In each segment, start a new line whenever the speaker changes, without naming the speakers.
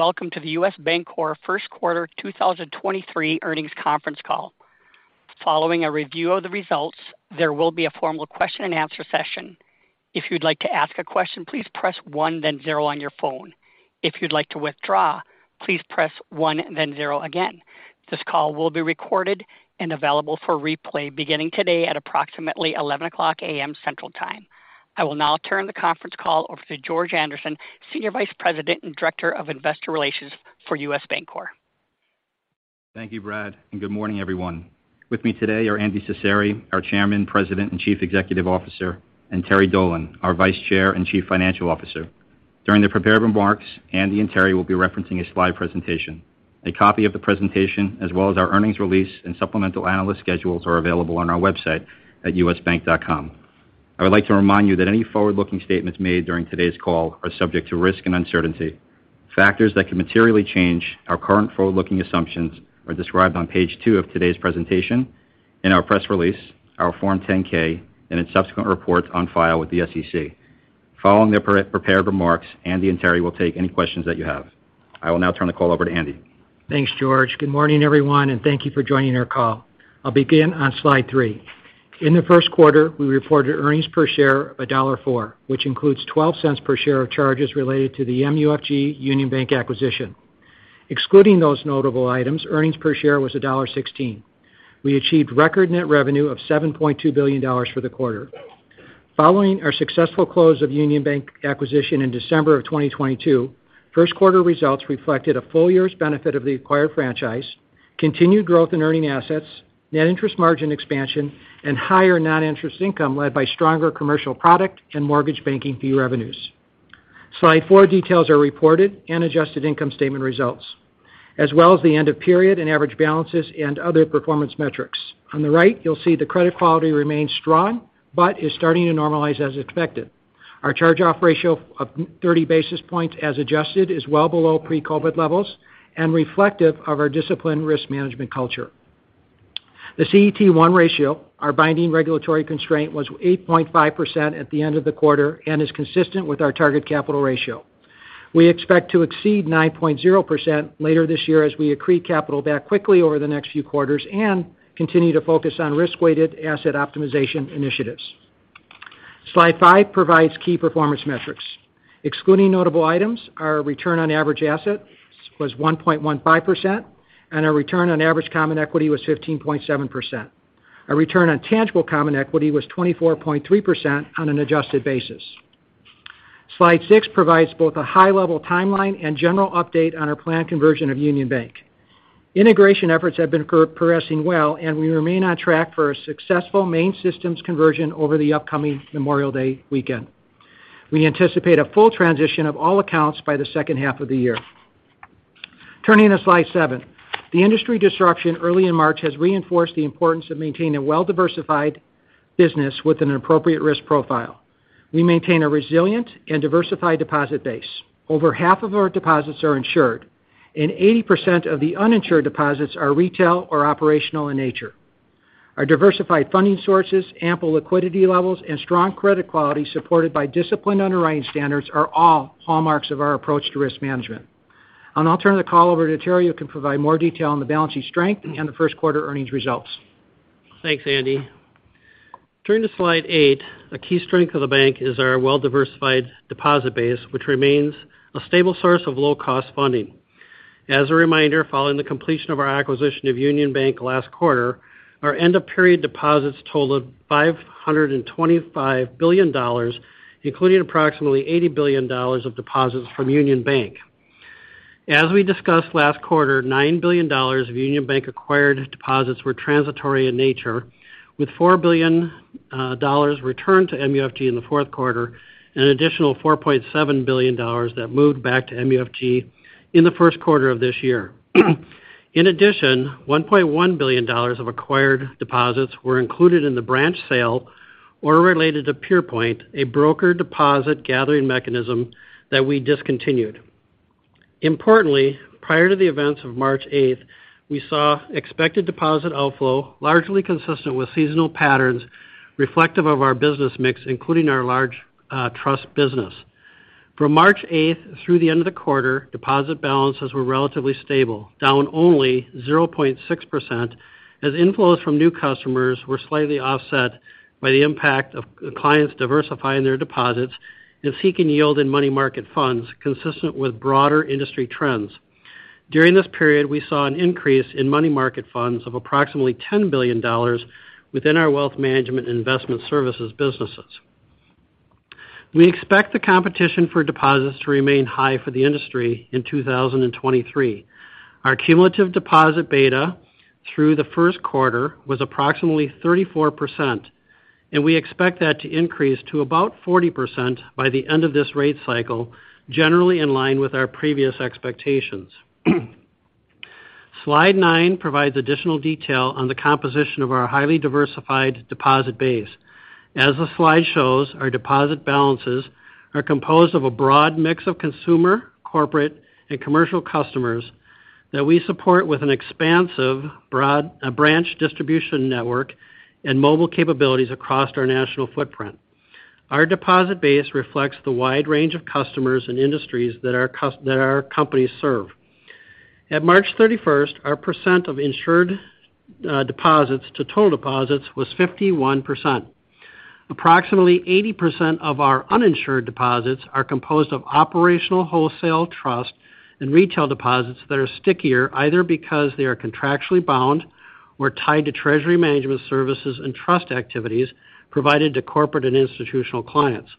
Welcome to the U.S. Bancorp First Quarter 2023 Earnings Conference Call. Following a review of the results, there will be a formal question-and-answer session. If you'd like to ask a question, please press one then zero on your phone. If you'd like to withdraw, please press one then zero again. This call will be recorded and available for replay beginning today at approximately 11:00 A.M. Central Time. I will now turn the conference call over to George Andersen, Senior Vice President and Director of Investor Relations for U.S. Bancorp.
Thank you, Brad, and good morning, everyone. With me today are Andy Cecere, our Chairman, President, and Chief Executive Officer, and Terry Dolan, our Vice Chair and Chief Financial Officer. During the prepared remarks, Andy and Terry will be referencing a slide presentation. A copy of the presentation, as well as our earnings release and supplemental analyst schedules are available on our website at usbank.com. I would like to remind you that any forward-looking statements made during today's call are subject to risk and uncertainty. Factors that can materially change our current forward-looking assumptions are described on page two of today's presentation in our press release, our Form 10-K, and in subsequent reports on file with the SEC. Following their pre-prepared remarks, Andy and Terry will take any questions that you have. I will now turn the call over to Andy.
Thanks, George. Good morning, everyone, and thank you for joining our call. I'll begin on slide three. In the first quarter, we reported earnings per share of $1.04, which includes $0.12 per share of charges related to the MUFG Union Bank acquisition. Excluding those notable items, earnings per share was $1.16. We achieved record net revenue of $7.2 billion for the quarter. Following our successful close of Union Bank acquisition in December of 2022, first quarter results reflected a full year's benefit of the acquired franchise, continued growth in earning assets, net interest margin expansion, and higher non-interest income led by stronger commercial product and mortgage banking fee revenues. Slide four details are reported and adjusted income statement results, as well as the end of period and average balances and other performance metrics. On the right, you'll see the credit quality remains strong but is starting to normalize as expected. Our charge-off ratio of 30 basis points as adjusted is well below pre-COVID levels and reflective of our disciplined risk management culture. The CET1 ratio, our binding regulatory constraint, was 8.5% at the end of the quarter and is consistent with our target capital ratio. We expect to exceed 9.0% later this year as we accrete capital back quickly over the next few quarters and continue to focus on risk-weighted asset optimization initiatives. Slide five provides key performance metrics. Excluding notable items, our return on average asset was 1.15%, and our return on average common equity was 15.7%. Our return on tangible common equity was 24.3% on an adjusted basis. Slide six provides both a high-level timeline and general update on our planned conversion of Union Bank. Integration efforts have been progressing well, and we remain on track for a successful main systems conversion over the upcoming Memorial Day weekend. We anticipate a full transition of all accounts by the second half of the year. Turning to slide seven. The industry disruption early in March has reinforced the importance of maintaining a well-diversified business with an appropriate risk profile. We maintain a resilient and diversified deposit base. Over half of our deposits are insured, and 80% of the uninsured deposits are retail or operational in nature. Our diversified funding sources, ample liquidity levels, and strong credit quality supported by disciplined underwriting standards are all hallmarks of our approach to risk management. I'll now turn the call over to Terry who can provide more detail on the balance sheet strength and the first quarter earnings results.
Thanks, Andy. Turning to slide eight. A key strength of the bank is our well-diversified deposit base, which remains a stable source of low-cost funding. As a reminder, following the completion of our acquisition of Union Bank last quarter, our end-of-period deposits totaled $525 billion, including approximately $80 billion of deposits from Union Bank. As we discussed last quarter, $9 billion of Union Bank acquired deposits were transitory in nature, with $4 billion returned to MUFG in the fourth quarter and an additional $4.7 billion that moved back to MUFG in the first quarter of this year. In addition, $1.1 billion of acquired deposits were included in the branch sale or related to PurePoint, a broker deposit gathering mechanism that we discontinued. Importantly, prior to the events of March 8th, we saw expected deposit outflow largely consistent with seasonal patterns reflective of our business mix, including our large trust business. From March 8th through the end of the quarter, deposit balances were relatively stable, down only 0.6% as inflows from new customers were slightly offset by the impact of clients diversifying their deposits and seeking yield in money market funds consistent with broader industry trends. During this period, we saw an increase in money market funds of approximately $10 billion within our wealth management and investment services businesses. We expect the competition for deposits to remain high for the industry in 2023. Our cumulative deposit beta through the first quarter was approximately 34%, and we expect that to increase to about 40% by the end of this rate cycle, generally in line with our previous expectations. Slide nine provides additional detail on the composition of our highly diversified deposit base. As the slide shows, our deposit balances are composed of a broad mix of consumer, corporate, and commercial customers that we support with an expansive broad branch distribution network and mobile capabilities across our national footprint. Our deposit base reflects the wide range of customers and industries that our companies serve. At March 31st, our percent of insured deposits to total deposits was 51%. Approximately 80% of our uninsured deposits are composed of operational wholesale trust and retail deposits that are stickier either because they are contractually bound or tied to treasury management services and trust activities provided to corporate and institutional clients.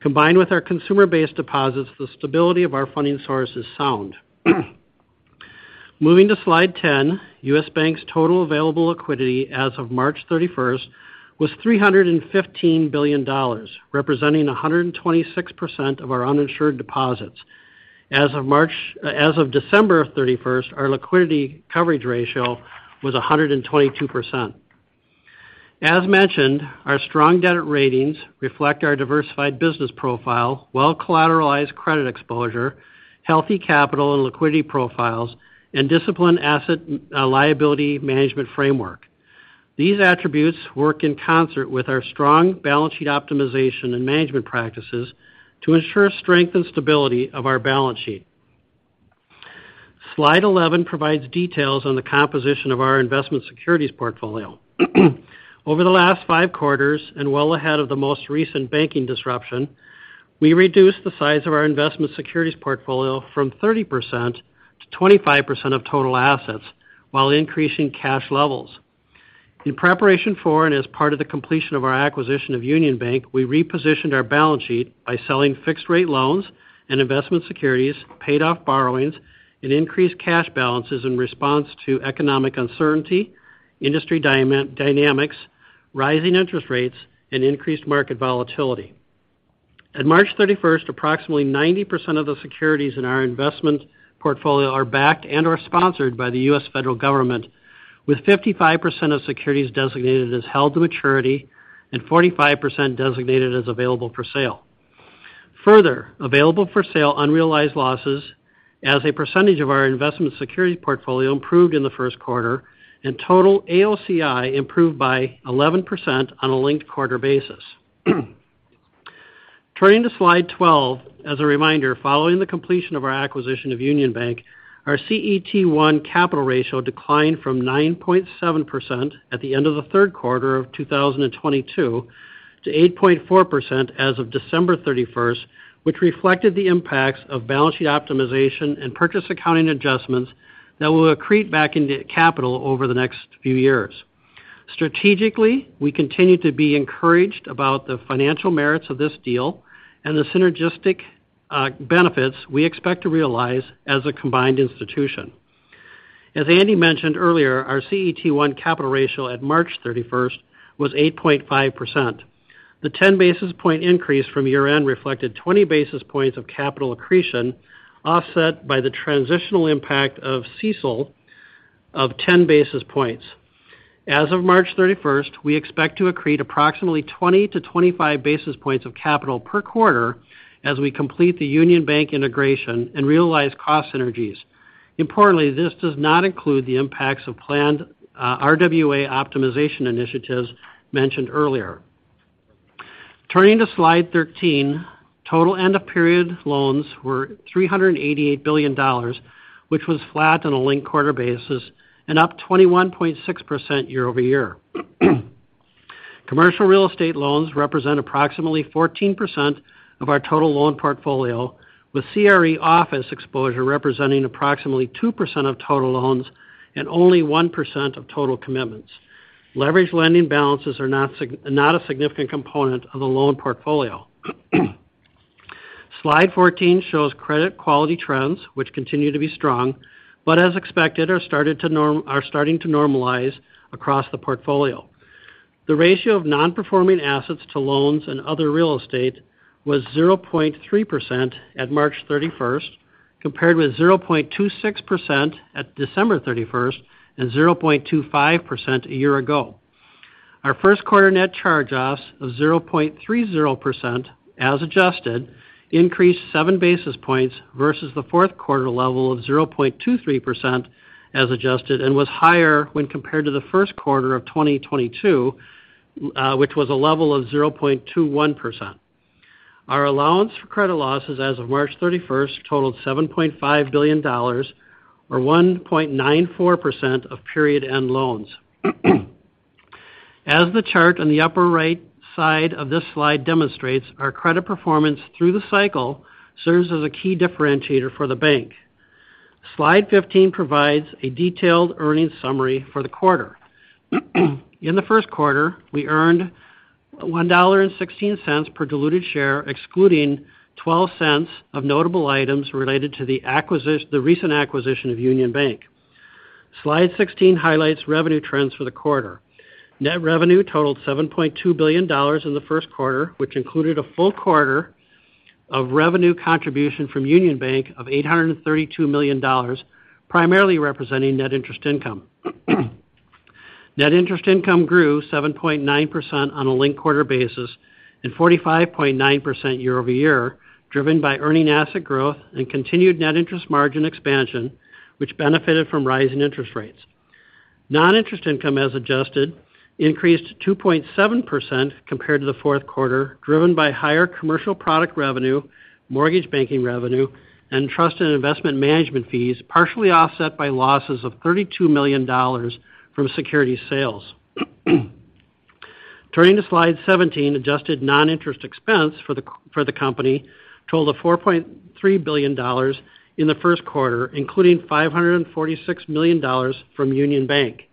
Combined with our consumer-based deposits, the stability of our funding source is sound. Moving to slide 10, U.S. Bank's total available liquidity as of March 31st was $315 billion, representing 126% of our uninsured deposits. As of December 31st, our liquidity coverage ratio was 122%. As mentioned, our strong debt ratings reflect our diversified business profile, well-collateralized credit exposure, healthy capital and liquidity profiles, and disciplined asset and liability management framework. These attributes work in concert with our strong balance sheet optimization and management practices to ensure strength and stability of our balance sheet. Slide 11 provides details on the composition of our investment securities portfolio. Over the last five quarters, and well ahead of the most recent banking disruption, we reduced the size of our investment securities portfolio from 30%-25% of total assets while increasing cash levels. In preparation for and as part of the completion of our acquisition of Union Bank, we repositioned our balance sheet by selling fixed-rate loans and investment securities, paid off borrowings, and increased cash balances in response to economic uncertainty, industry dynamics, rising interest rates, and increased market volatility. At March 31st, approximately 90% of the securities in our investment portfolio are backed and/or sponsored by the U.S. federal government, with 55% of securities designated as Held to Maturity and 45% designated as Available for Sale. Available for sale unrealized losses as a percentage of our investment securities portfolio improved in the first quarter, and total AOCI improved by 11% on a linked quarter basis. To slide 12, as a reminder, following the completion of our acquisition of Union Bank, our CET1 capital ratio declined from 9.7% at the end of the third quarter of 2022 to 8.4% as of December 31st, which reflected the impacts of balance sheet optimization and purchase accounting adjustments that will accrete back into capital over the next few years. Strategically, we continue to be encouraged about the financial merits of this deal and the synergistic benefits we expect to realize as a combined institution. As Andy mentioned earlier, our CET1 capital ratio at March 31st was 8.5%. The 10 basis point increase from year-end reflected 20 basis points of capital accretion, offset by the transitional impact of CECL of 10 basis points. As of March 31st, we expect to accrete approximately 20-25 basis points of capital per quarter as we complete the Union Bank integration and realize cost synergies. Importantly, this does not include the impacts of planned RWA optimization initiatives mentioned earlier. Turning to slide 13, total end of period loans were $388 billion, which was flat on a linked-quarter basis and up 21.6% year-over-year. Commercial real estate loans represent approximately 14% of our total loan portfolio, with CRE office exposure representing approximately 2% of total loans and only 1% of total commitments. Leveraged lending balances are not a significant component of the loan portfolio. Slide 14 shows credit quality trends, which continue to be strong, but as expected, are starting to normalize across the portfolio. The ratio of non-performing assets to loans and other real estate was 0.3% at March 31st, compared with 0.26% at December 31st and 0.25% a year ago. Our first quarter net chargeoffs of 0.30%, as adjusted, increased seven basis points versus the fourth quarter level of 0.23%, as adjusted, and was higher when compared to the first quarter of 2022, which was a level of 0.21%. Our allowance for credit losses as of March 31st totaled $7.5 billion or 1.94% of period end loans. As the chart on the upper right side of this slide demonstrates, our credit performance through the cycle serves as a key differentiator for the bank. Slide 15 provides a detailed earnings summary for the quarter. In the first quarter, we earned $1.16 per diluted share, excluding $0.12 of notable items related to the recent acquisition of Union Bank. Slide 16 highlights revenue trends for the quarter. Net revenue totaled $7.2 billion in the first quarter, which included a full quarter of revenue contribution from Union Bank of $832 million, primarily representing net interest income. Net interest income grew 7.9% on a linked-quarter basis and 45.9% year-over-year, driven by earning asset growth and continued net interest margin expansion, which benefited from rising interest rates. Non-interest income as adjusted increased 2.7% compared to the fourth quarter, driven by higher commercial product revenue, mortgage banking revenue, and trust and investment management fees, partially offset by losses of $32 million from security sales. Turning to slide 17, adjusted non-interest expense for the company totaled $4.3 billion in the first quarter, including $546 million from Union Bank.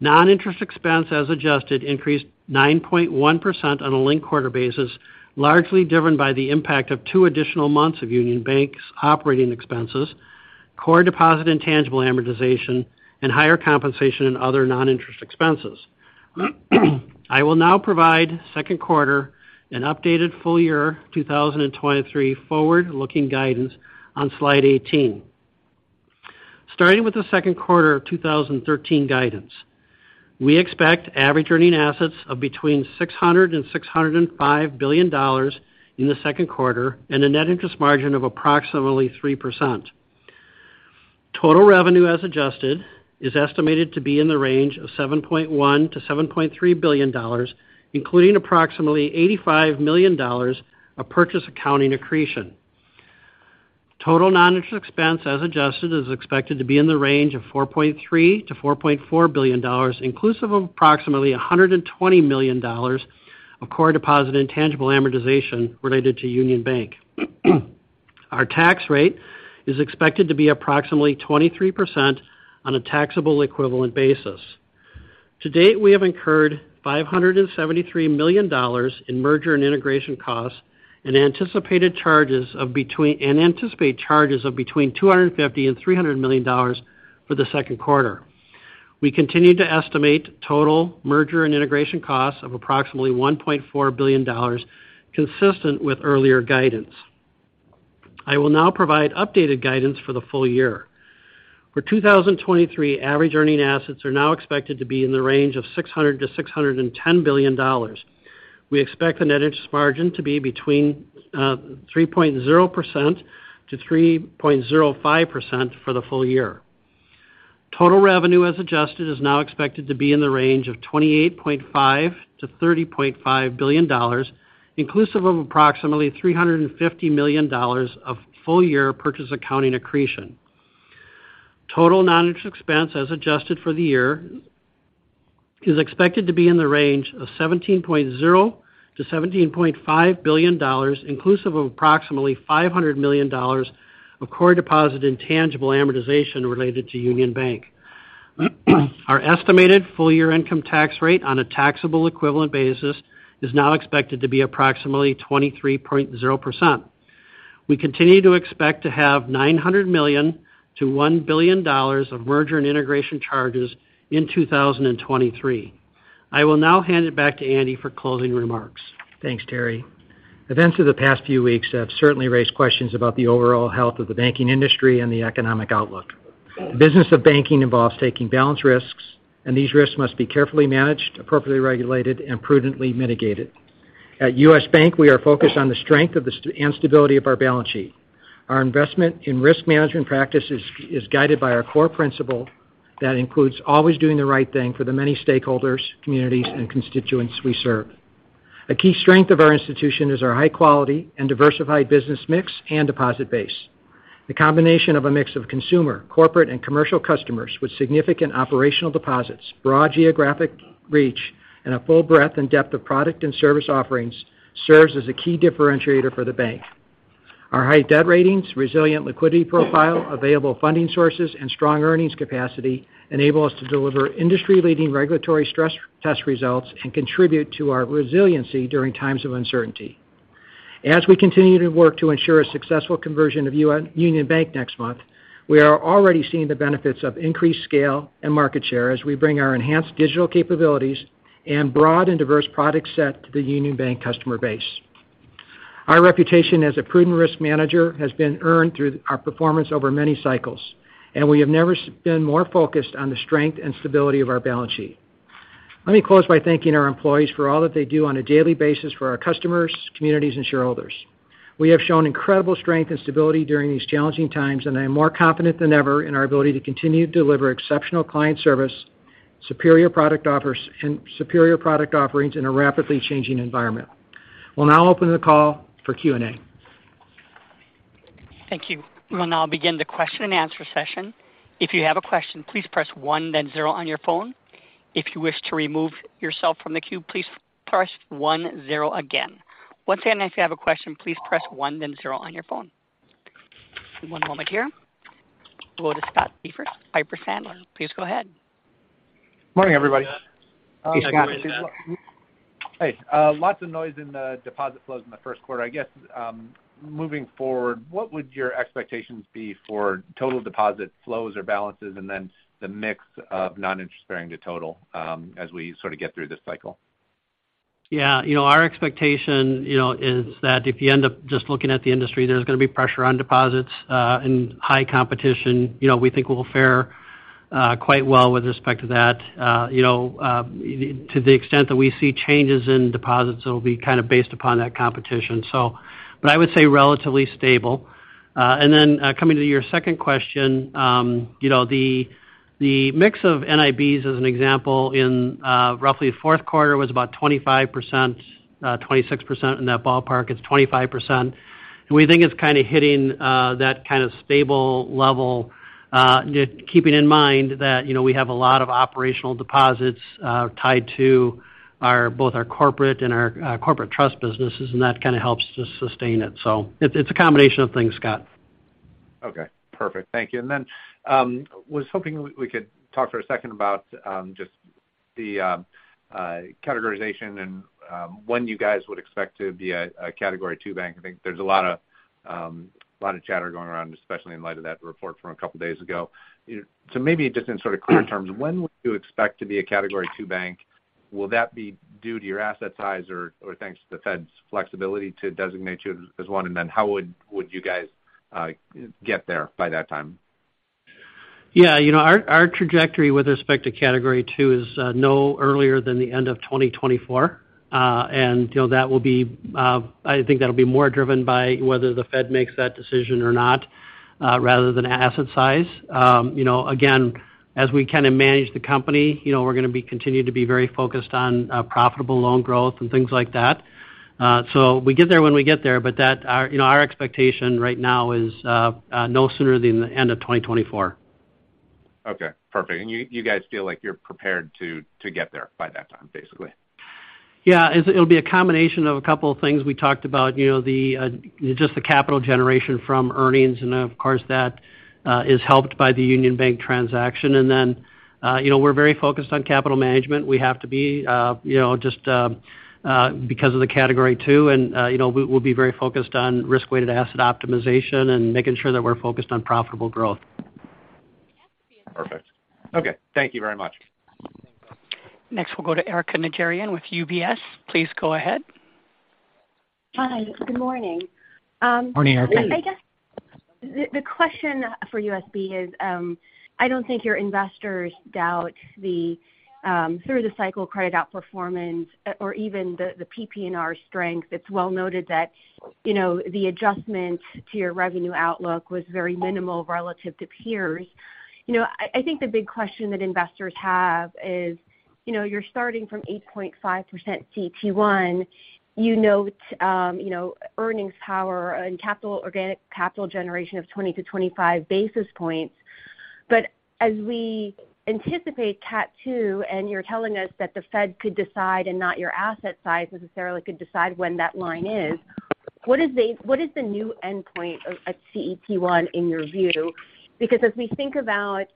Non-interest expense as adjusted increased 9.1% on a linked-quarter basis, largely driven by the impact of two additional months of Union Bank's operating expenses, core deposit intangible amortization, and higher compensation and other non-interest expenses. I will now provide second quarter and updated full year 2023 forward-looking guidance on slide 18. Starting with the second quarter of 2013 guidance. We expect average earning assets of between $600 billion and $605 billion in the second quarter and a net interest margin of approximately 3%. Total revenue as adjusted is estimated to be in the range of $7.1 billion-$7.3 billion, including approximately $85 million of purchase accounting accretion. Total non-interest expense as adjusted is expected to be in the range of $4.3 billion-$4.4 billion, inclusive of approximately $120 million of core deposit intangible amortization related to Union Bank. Our tax rate is expected to be approximately 23% on a taxable equivalent basis. To date, we have incurred $573 million in merger and integration costs and anticipate charges of between $250 million and $300 million for the second quarter. We continue to estimate total merger and integration costs of approximately $1.4 billion, consistent with earlier guidance. I will now provide updated guidance for the full year. For 2023, average earning assets are now expected to be in the range of $600 billion-$610 billion. We expect the net interest margin to be between 3.0%-3.05% for the full year. Total revenue as adjusted is now expected to be in the range of $28.5 billion-$30.5 billion, inclusive of approximately $350 million of full year purchase accounting accretion. Total non-interest expense as adjusted for the year is expected to be in the range of $17.0 billion-$17.5 billion, inclusive of approximately $500 million of core deposit intangible amortization related to Union Bank. Our estimated full year income tax rate on a taxable equivalent basis is now expected to be approximately 23.0%. We continue to expect to have $900 million-$1 billion of merger and integration charges in 2023. I will now hand it back to Andy for closing remarks.
Thanks, Terry. Events of the past few weeks have certainly raised questions about the overall health of the banking industry and the economic outlook. The business of banking involves taking balanced risks, and these risks must be carefully managed, appropriately regulated, and prudently mitigated. At U.S. Bank, we are focused on the strength and stability of our balance sheet. Our investment in risk management practices is guided by our core principle that includes always doing the right thing for the many stakeholders, communities, and constituents we serve. A key strength of our institution is our high quality and diversified business mix and deposit base. The combination of a mix of consumer, corporate, and commercial customers with significant operational deposits, broad geographic reach, and a full breadth and depth of product and service offerings serves as a key differentiator for the bank. Our high debt ratings, resilient liquidity profile, available funding sources, and strong earnings capacity enable us to deliver industry-leading regulatory stress test results and contribute to our resiliency during times of uncertainty. As we continue to work to ensure a successful conversion of Union Bank next month, we are already seeing the benefits of increased scale and market share as we bring our enhanced digital capabilities and broad and diverse product set to the Union Bank customer base. Our reputation as a prudent risk manager has been earned through our performance over many cycles, and we have never been more focused on the strength and stability of our balance sheet. Let me close by thanking our employees for all that they do on a daily basis for our customers, communities, and shareholders. We have shown incredible strength and stability during these challenging times, and I am more confident than ever in our ability to continue to deliver exceptional client service, superior product offerings in a rapidly changing environment. We'll now open the call for Q&A.
Thank you. We'll now begin the question and answer session. If you have a question, please press one then zero on your phone. If you wish to remove yourself from the queue, please press one zero again. Once again, if you have a question, please press one then zero on your phone. One moment here. We'll go to Scott Siefers, Piper Sandler. Please go ahead.
Morning, everybody. Hey. lots of noise in the deposit flows in the first quarter. I guess, moving forward, what would your expectations be for total deposit flows or balances and then the mix of non-interest bearing to total, as we sort of get through this cycle?
Yeah. You know, our expectation, you know, is that if you end up just looking at the industry, there's gonna be pressure on deposits and high competition. You know, we think we'll fare quite well with respect to that. You know, to the extent that we see changes in deposits, it'll be kind of based upon that competition. I would say relatively stable. Coming to your second question, you know, the mix of NIBs as an example in roughly fourth quarter was about 25%, 26% in that ballpark. It's 25%, and we think it's kinda hitting that kind of stable level, keeping in mind that, you know, we have a lot of operational deposits tied to both our corporate and our corporate trust businesses, and that kinda helps to sustain it. It's a combination of things, Scott.
Okay. Perfect. Thank you. Was hoping we could talk for a second about just the categorization and when you guys would expect to be a Category II bank. I think there's a lot of chatter going around, especially in light of that report from a couple days ago. Maybe just in sort of clear terms, when would you expect to be a Category II bank? Will that be due to your asset size or thanks to the Fed's flexibility to designate you as one? How would you guys get there by that time?
You know, our trajectory with respect to Category II is no earlier than the end of 2024. You know, that will be I think that'll be more driven by whether the Fed makes that decision or not, rather than asset size. You know, again, as we kind of manage the company, you know, we're gonna be continued to be very focused on profitable loan growth and things like that. We get there when we get there, but that our, you know, our expectation right now is no sooner than the end of 2024.
Okay. Perfect. You, you guys feel like you're prepared to get there by that time, basically?
Yeah. It'll be a combination of a couple of things we talked about, you know, just the capital generation from earnings, and of course, that is helped by the Union Bank transaction. Then, you know, we're very focused on capital management. We have to be, you know, just, because of the Category II and, you know, we'll be very focused on risk-weighted asset optimization and making sure that we're focused on profitable growth.
Perfect. Okay. Thank you very much.
Next, we'll go to Erika Najarian with UBS. Please go ahead.
Hi. Good morning.
Morning, Erika.
I guess the question for USB is, I don't think your investors doubt the through the cycle credit outperformance or even the PPNR strength. It's well noted that, you know, the adjustment to your revenue outlook was very minimal relative to peers. You know, I think the big question that investors have is, you know, you're starting from 8.5% CET1. You note, you know, earnings power and organic capital generation of 20-25 basis points. As we anticipate Cat. II, and you're telling us that the Fed could decide and not your asset size necessarily could decide when that line is, what is the new endpoint of a CET1 in your view? As we think about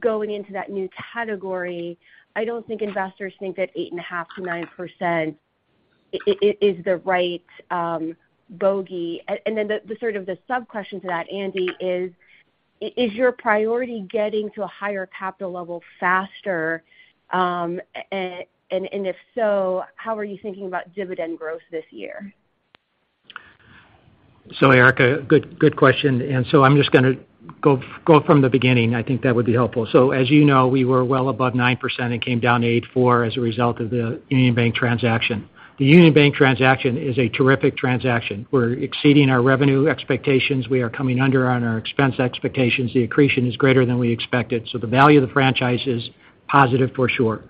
going into that new category, I don't think investors think that 8.5%-9% is the right bogey. The sort of the sub question to that, Andy, is your priority getting to a higher capital level faster? If so, how are you thinking about dividend growth this year?
Erika, good question. I'm just gonna go from the beginning. I think that would be helpful. As you know, we were well above 9% and came down to 8.4% as a result of the Union Bank transaction. The Union Bank transaction is a terrific transaction. We're exceeding our revenue expectations. We are coming under on our expense expectations. The accretion is greater than we expected. The value of the franchise is positive for sure.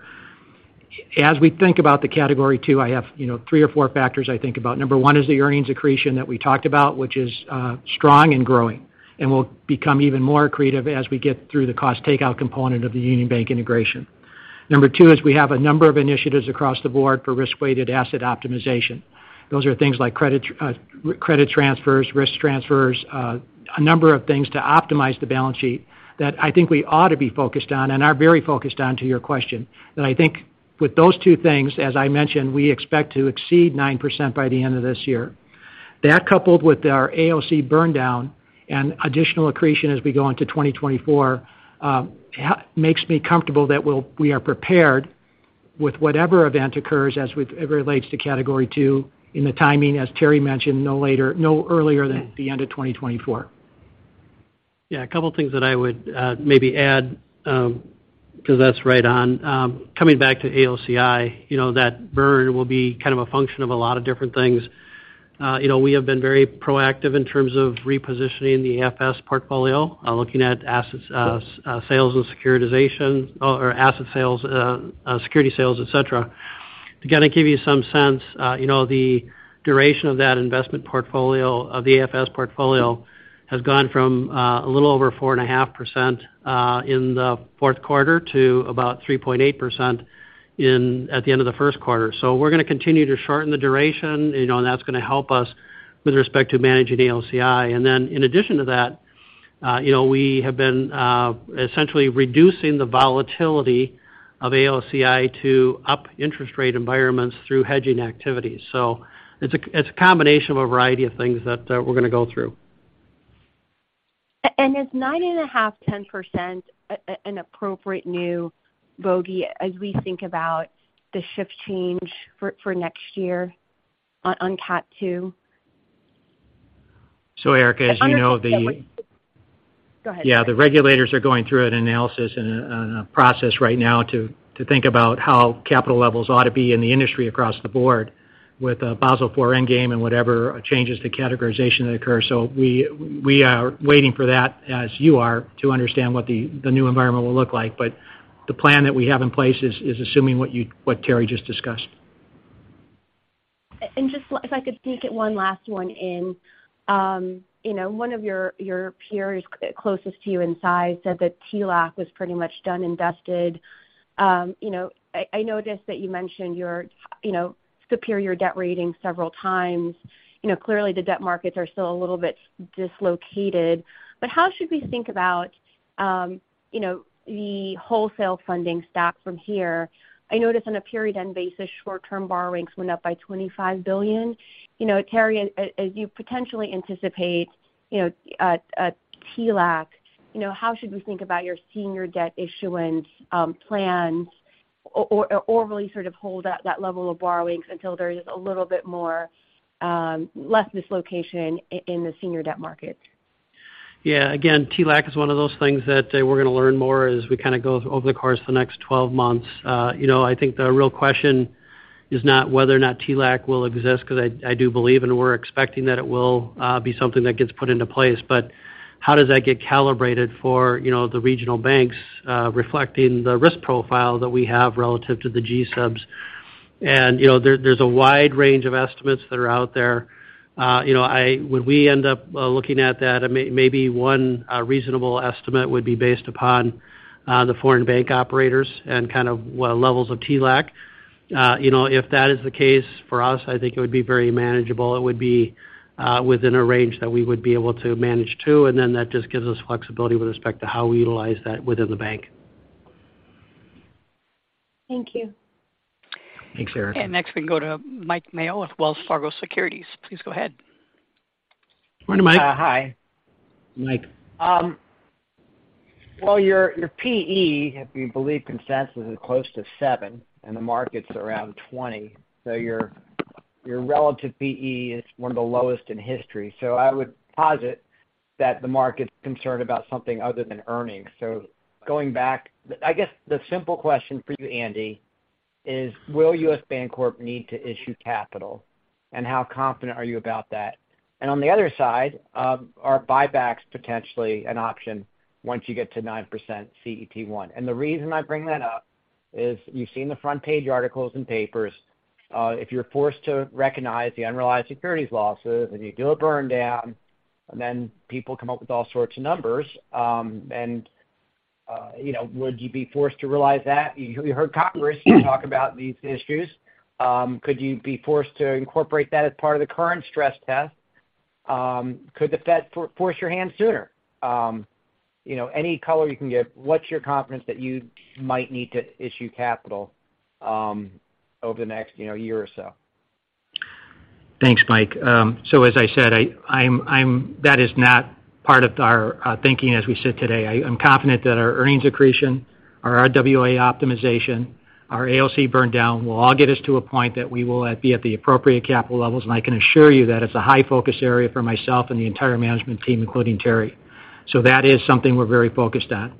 As we think about the Category II, I have, you know, three or four factors I think about. Number one is the earnings accretion that we talked about, which is strong and growing and will become even more accretive as we get through the cost takeout component of the Union Bank integration. Number two is we have a number of initiatives across the board for risk-weighted asset optimization. Those are things like credit transfers, risk transfers, a number of things to optimize the balance sheet that I think we ought to be focused on and are very focused on to your question. That I think with those two things, as I mentioned, we expect to exceed 9% by the end of this year. That coupled with our AOC burn down and additional accretion as we go into 2024, makes me comfortable that we are prepared with whatever event occurs as it relates to Category II in the timing, as Terry mentioned, no earlier than the end of 2024. Yeah. A couple of things that I would maybe add, 'cause that's right on. Coming back to AOCI, you know, that burn will be kind of a function of a lot of different things. you know, we have been very proactive in terms of repositioning the AFS portfolio, looking at assets, sales and securitization or asset sales, security sales, et cetera. To kind of give you some sense, you know, the duration of that investment portfolio, of the AFS portfolio has gone from a little over 4.5% in the fourth quarter to about 3.8% at the end of the first quarter. We're going to continue to shorten the duration, you know, and that's going to help us with respect to managing AOCI. In addition to that, you know, we have been essentially reducing the volatility of AOCI to up interest rate environments through hedging activities. It's a, it's a combination of a variety of things that we're gonna go through.
Is 9.5%-10% an appropriate new bogey as we think about the shift change for next year on Cat. II?
Erika, as you know, the regulators are going through an analysis and a process right now to think about how capital levels ought to be in the industry across the board with Basel IV Endgame and whatever changes to categorization that occur. We are waiting for that as you are to understand what the new environment will look like. The plan that we have in place is assuming what Terry just discussed.
Just if I could sneak one last one in. You know, one of your peers closest to you in size said that TLAC was pretty much done and dusted. You know, I noticed that you mentioned your, you know, superior debt rating several times. You know, clearly the debt markets are still a little bit dislocated. How should we think about, you know, the wholesale funding stack from here? I noticed on a period end basis, short-term borrowings went up by $25 billion. You know, Terry, as you potentially anticipate, you know, a TLAC, you know, how should we think about your senior debt issuance, plans or really sort of hold that level of borrowings until there is a little bit more, less dislocation in the senior debt market?
Yeah. Again, TLAC is one of those things that we're going to learn more as we kind of go over the course of the next 12 months. You know, I think the real question is not whether or not TLAC will exist because I do believe and we're expecting that it will be something that gets put into place. How does that get calibrated for, you know, the regional banks, reflecting the risk profile that we have relative to the G-SIBs? You know, there's a wide range of estimates that are out there. You know, when we end up looking at that, maybe one reasonable estimate would be based upon the foreign bank operators and kind of what levels of TLAC. You know, if that is the case for us, I think it would be very manageable. It would be within a range that we would be able to manage to. That just gives us flexibility with respect to how we utilize that within the bank.
Thank you.
Thanks, Erika.
Next we can go to Mike Mayo with Wells Fargo Securities. Please go ahead.
Morning, Mike.
Hi.
Mike.
Well, your PE, if you believe consensus, is close to seven, and the market's around 20. Your, your relative PE is one of the lowest in history. I would posit that the market's concerned about something other than earnings. I guess the simple question for you, Andy, is will U.S. Bancorp need to issue capital, and how confident are you about that? On the other side, are buybacks potentially an option once you get to 9% CET1? The reason I bring that up is you've seen the front page articles and papers. If you're forced to recognize the unrealized securities losses, and you do a burn down, and then people come up with all sorts of numbers, you know, would you be forced to realize that? You heard Congress talk about these issues. Could you be forced to incorporate that as part of the current stress test? Could the Fed force your hand sooner? You know, any color you can give, what's your confidence that you might need to issue capital, over the next, you know, year or so?
Thanks, Mike. As I said, I'm that is not part of our thinking as we sit today. I'm confident that our earnings accretion, our RWA optimization, our AOC burn down will all get us to a point that we will be at the appropriate capital levels. I can assure you that it's a high focus area for myself and the entire management team, including Terry. That is something we're very focused on.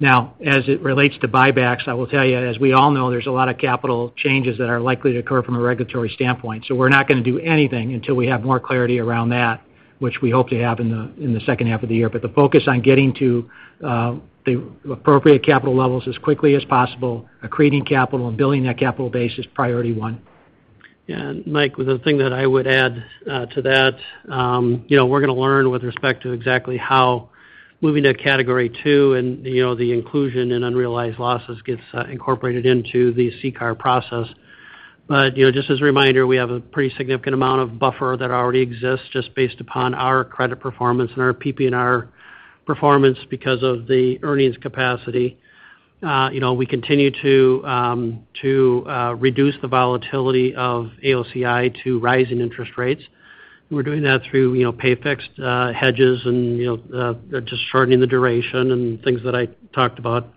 Now, as it relates to buybacks, I will tell you, as we all know, there's a lot of capital changes that are likely to occur from a regulatory standpoint. We're not going to do anything until we have more clarity around that, which we hope to have in the second half of the year. The focus on getting to the appropriate capital levels as quickly as possible, accreting capital and building that capital base is priority one.
Yeah. Mike, the thing that I would add to that, you know, we're going to learn with respect to exactly how moving to Category II and, you know, the inclusion in unrealized losses gets incorporated into the CCAR process. You know, just as a reminder, we have a pretty significant amount of buffer that already exists just based upon our credit performance and our PPNR performance because of the earnings capacity. You know, we continue to reduce the volatility of AOCI to rising interest rates. We're doing that through, you know, pay fixed hedges and, you know, just shortening the duration and things that I talked about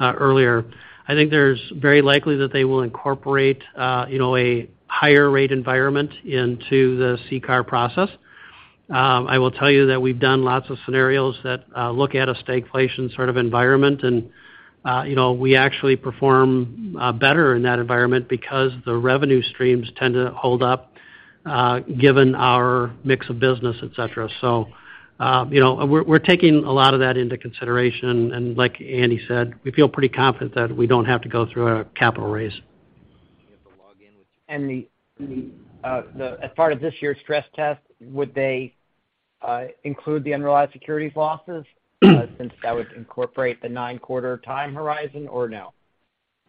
earlier. I think there's very likely that they will incorporate, you know, a higher rate environment into the CCAR process. I will tell you that we've done lots of scenarios that look at a stagflation sort of environment. You know, we actually perform better in that environment because the revenue streams tend to hold up, given our mix of business, et cetera. You know, we're taking a lot of that into consideration. Like Andy said, we feel pretty confident that we don't have to go through a capital raise.
The as part of this year's stress test, would they include the unrealized securities losses since that would incorporate the nine-quarter time horizon or no?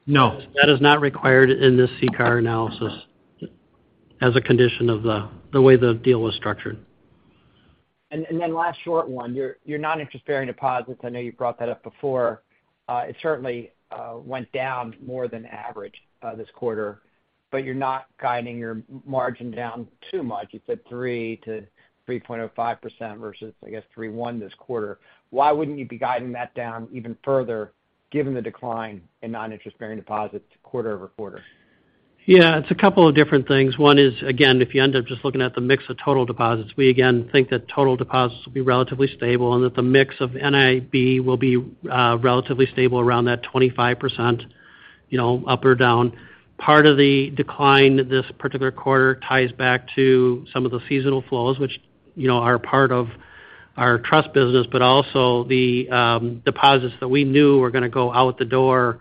No, that is not required in this CCAR analysis as a condition of the way the deal was structured.
Then last short one. Your non-interest-bearing deposits, I know you brought that up before. It certainly went down more than average this quarter. You're not guiding your margin down too much. You said 3%-3.05% versus, I guess, 3.1% this quarter. Why wouldn't you be guiding that down even further given the decline in non-interest-bearing deposits quarter-over-quarter?
Yeah, it's a couple of different things. One is, again, if you end up just looking at the mix of total deposits, we again think that total deposits will be relatively stable and that the mix of NIB will be relatively stable around that 25%, you know, up or down. Part of the decline this particular quarter ties back to some of the seasonal flows which, you know, are part of our trust business, but also the deposits that we knew were gonna go out the door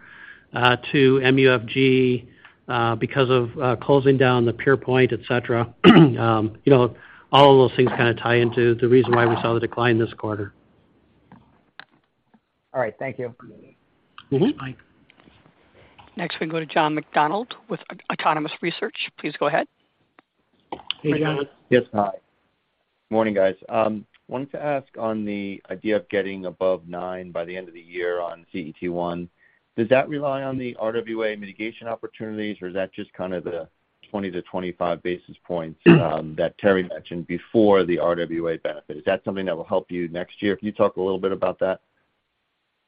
to MUFG because of closing down the PurePoint, et cetera. You know, all of those things kind of tie into the reason why we saw the decline this quarter.
All right. Thank you.
Mm-hmm.
Next we can go to John McDonald with Autonomous Research. Please go ahead.
Hey, John.
Morning, guys. Wanted to ask on the idea of getting above nine by the end of the year on CET1. Does that rely on the RWA mitigation opportunities, or is that just kind of the 20-25 basis points that Terry mentioned before the RWA benefit? Is that something that will help you next year? Can you talk a little bit about that?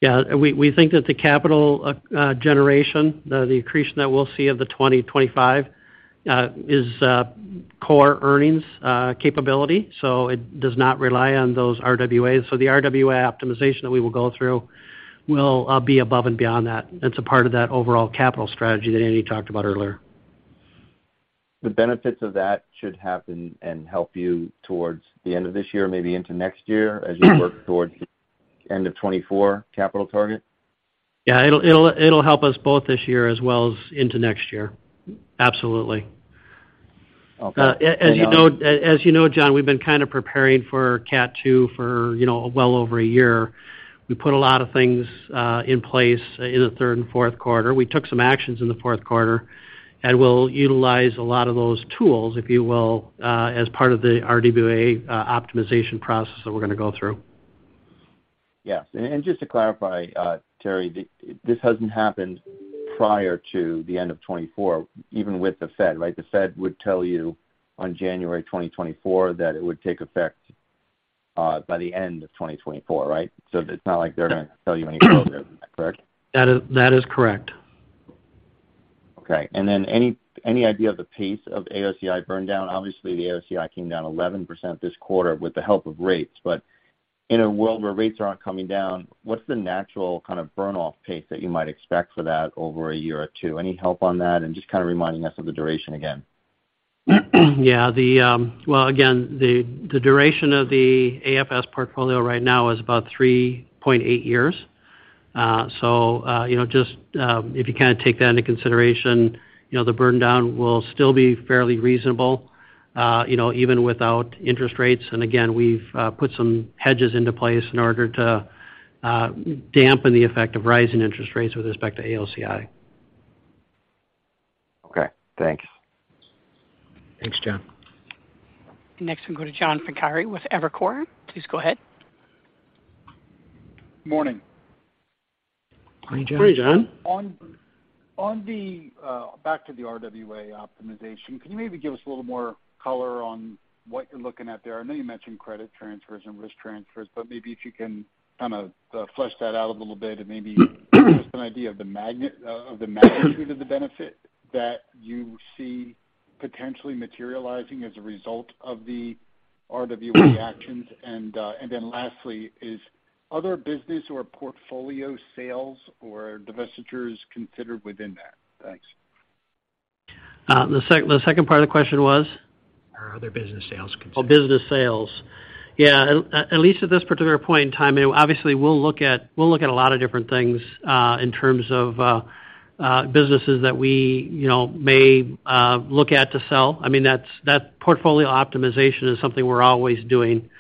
We think that the capital generation, the accretion that we'll see of the 2025 is core earnings capability. It does not rely on those RWAs. The RWA optimization that we will go through will be above and beyond that. It's a part of that overall capital strategy that Andy talked about earlier.
The benefits of that should happen and help you towards the end of this year, maybe into next year as you work towards the end of 2024 capital target?
Yeah. It'll help us both this year as well as into next year. Absolutely.
Okay.
As you know, John, we've been kind of preparing for Cat. II for, you know, well over one year. We put a lot of things in place in the third and fourth quarter. We took some actions in the fourth quarter, and we'll utilize a lot of those tools, if you will, as part of the RWA optimization process that we're gonna go through.
Yes. Just to clarify, Terry, this hasn't happened prior to the end of 2024, even with the Fed, right? The Fed would tell you on January 2024 that it would take effect by the end of 2024, right? It's not like they're gonna tell you any earlier, is that correct?
That is, that is correct.
Okay. Any idea of the pace of AOCI burn down? Obviously, the AOCI came down 11% this quarter with the help of rates. In a world where rates aren't coming down, what's the natural kind of burn off pace that you might expect for that over a year or two? Any help on that and just kind of reminding us of the duration again.
Yeah. Well, again, the duration of the AFS portfolio right now is about 3.8 years. You know, just, if you kind of take that into consideration, you know, the burn down will still be fairly reasonable, you know, even without interest rates. We've put some hedges into place in order to dampen the effect of rising interest rates with respect to AOCI.
Okay, thanks.
Thanks, John.
Next we go to John Pancari with Evercore. Please go ahead.
Morning.
Hi, John.
Hey, John.
On the back to the RWA optimization, can you maybe give us a little more color on what you're looking at there? I know you mentioned credit transfers and risk transfers, but maybe if you can kind of flesh that out a little bit and maybe just an idea of the magnitude of the benefit that you see potentially materializing as a result of the RWA actions. Then lastly, is other business or portfolio sales or divestitures considered within that? Thanks.
The second part of the question was?
Are other business sales considered?
Oh, business sales. Yeah. At least at this particular point in time, obviously we'll look at, we'll look at a lot of different things in terms of businesses that we, you know, may look at to sell. I mean, that portfolio optimization is something we're always doing,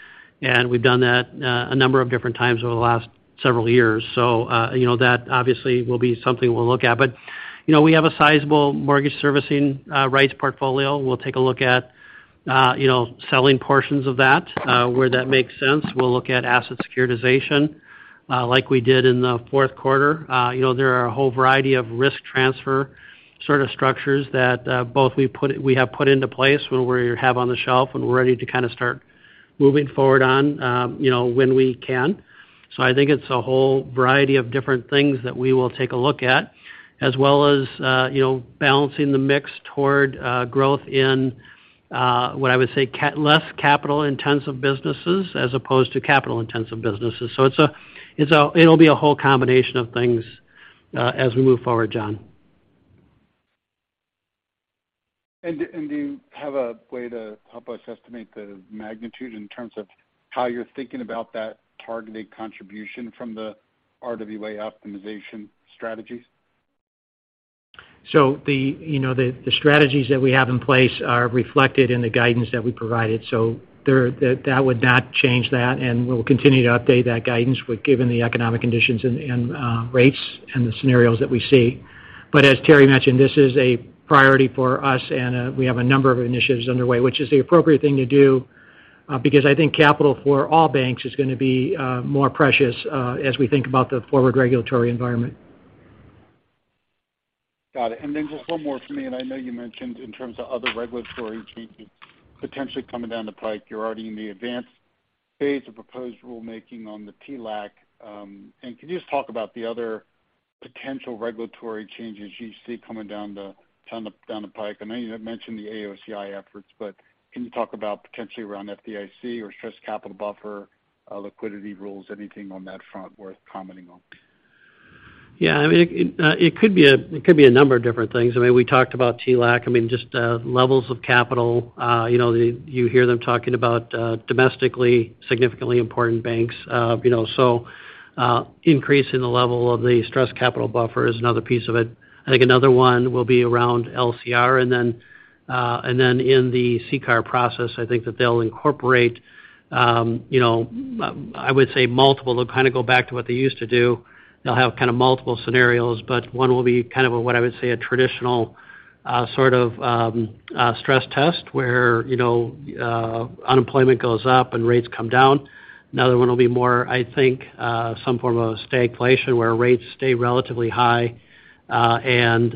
and we've done that a number of different times over the last several years. You know, that obviously will be something we'll look at. You know, we have a sizable mortgage servicing rights portfolio. We'll take a look at, you know, selling portions of that where that makes sense. We'll look at asset securitization like we did in the fourth quarter. You know, there are a whole variety of risk transfer sort of structures that, both we have put into place when we have on the shelf and we're ready to kind of start moving forward on, you know, when we can. I think it's a whole variety of different things that we will take a look at, as well as, you know, balancing the mix toward, growth in, what I would say less capital-intensive businesses as opposed to capital-intensive businesses. It'll be a whole combination of things, as we move forward, John.
Do you have a way to help us estimate the magnitude in terms of how you're thinking about that targeted contribution from the RWA optimization strategies?
The, you know, the strategies that we have in place are reflected in the guidance that we provided. That, that would not change that, and we'll continue to update that guidance given the economic conditions and, rates and the scenarios that we see. As Terry mentioned, this is a priority for us and, we have a number of initiatives underway, which is the appropriate thing to do, because I think capital for all banks is gonna be more precious, as we think about the forward regulatory environment.
Got it. Just one more for me, I know you mentioned in terms of other regulatory changes potentially coming down the pike. You're already in the advanced phase of proposed rulemaking on the TLAC. Can you just talk about the other potential regulatory changes you see coming down the pike? I know you had mentioned the AOCI efforts, but can you talk about potentially around FDIC or stress capital buffer, liquidity rules, anything on that front worth commenting on?
Yeah. I mean, it could be a number of different things. I mean, we talked about TLAC, I mean, just levels of capital. You know, you hear them talking about domestically systemically important banks. You know, so increasing the level of the stress capital buffer is another piece of it. I think another one will be around LCR. Then in the CCAR process, I think that they'll incorporate, you know, I would say multiple. They'll kind of go back to what they used to do. They'll have kind of multiple scenarios, but one will be kind of what I would say a traditional sort of stress test where, you know, unemployment goes up and rates come down. Another one will be more, I think, some form of a stagflation where rates stay relatively high, and,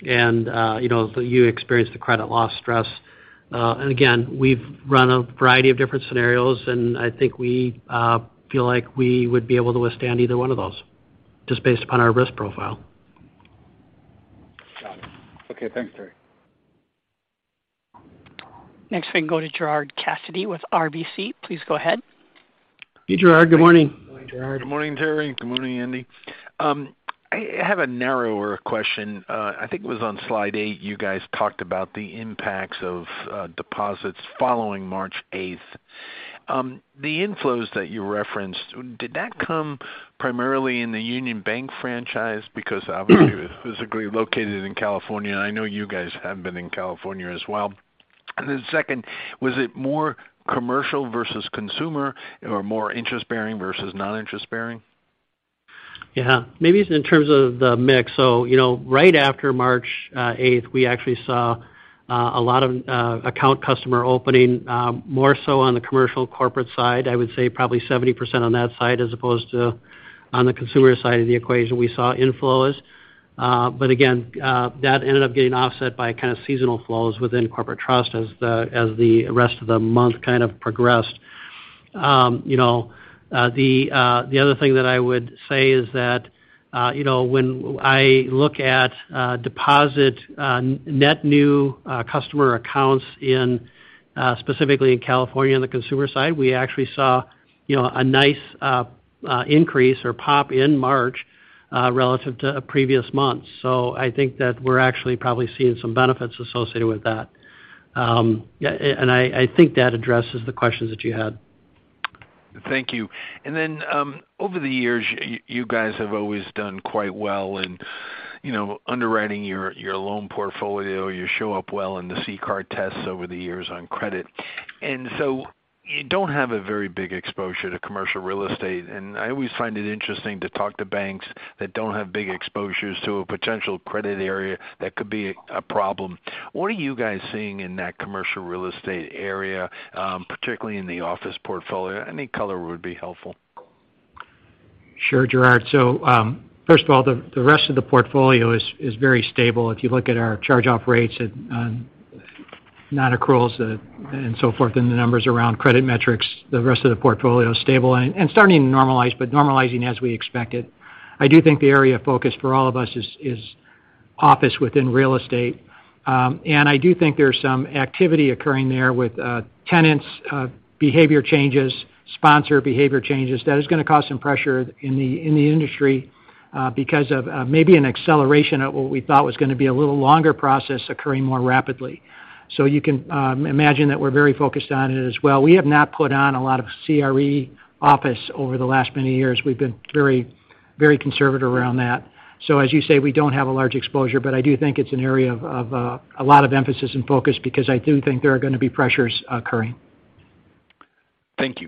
you know, you experience the credit loss stress. Again, we've run a variety of different scenarios, and I think we feel like we would be able to withstand either one of those just based upon our risk profile.
Got it. Okay, thanks, Terry.
Next, we can go to Gerard Cassidy with RBC. Please go ahead.
Hey, Gerard. Good morning.
Good morning, Gerard.
Good morning, Terry. Good morning, Andy. I have a narrower question. I think it was on slide eight, you guys talked about the impacts of deposits following March 8th. The inflows that you referenced, did that come primarily in the Union Bank franchise? Because obviously it was physically located in California, and I know you guys have been in California as well. Then second, was it more commercial versus consumer or more interest-bearing versus non-interest-bearing?
Yeah. Maybe in terms of the mix. You know, right after March 8th, we actually saw a lot of account customer opening, more so on the commercial corporate side. I would say probably 70% on that side as opposed to on the consumer side of the equation we saw inflows. Again, that ended up getting offset by kind of seasonal flows within corporate trust as the rest of the month kind of progressed. You know, the other thing that I would say is that, you know, when I look at deposit net new customer accounts in specifically in California on the consumer side, we actually saw, you know, a nice increase or pop in March relative to previous months. I think that we're actually probably seeing some benefits associated with that. Yeah, and I think that addresses the questions that you had.
Thank you. Then, over the years, you guys have always done quite well in, you know, underwriting your loan portfolio. You show up well in the CCAR tests over the years on credit. So you don't have a very big exposure to commercial real estate. I always find it interesting to talk to banks that don't have big exposures to a potential credit area that could be a problem. What are you guys seeing in that commercial real estate area, particularly in the office portfolio? Any color would be helpful.
Sure, Gerard. First of all, the rest of the portfolio is very stable. If you look at our charge-off rates on non-accruals, and so forth, and the numbers around credit metrics, the rest of the portfolio is stable and starting to normalize, but normalizing as we expected. I do think the area of focus for all of us is office within real estate. I do think there's some activity occurring there with tenants, behavior changes, sponsor behavior changes. That is gonna cause some pressure in the industry, because of maybe an acceleration of what we thought was gonna be a little longer process occurring more rapidly. You can imagine that we're very focused on it as well. We have not put on a lot of CRE office over the last many years. We've been very, very conservative around that. As you say, we don't have a large exposure, but I do think it's an area of a lot of emphasis and focus because I do think there are gonna be pressures occurring.
Thank you.